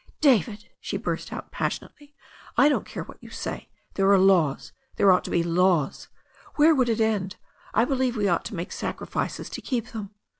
"David," she burst out passionately, "I don't care what you say. There are laws — ^there ought to be laws. Where would we end? I believe we ought to make sacrifices to keep them.